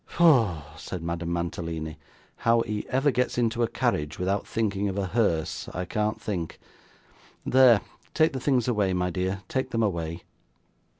'Foh!' said Madame Mantalini, 'how he ever gets into a carriage without thinking of a hearse, I can't think. There, take the things away, my dear, take them away.